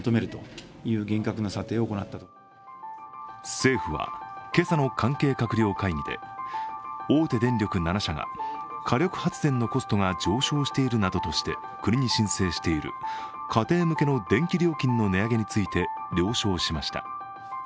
政府は今朝の関係閣僚会議で大手電力７社が火力発電のコストが上昇しているなどとして国に申請している家庭向けの電気料金の値上げについて了承しました。